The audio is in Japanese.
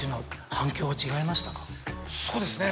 そうですね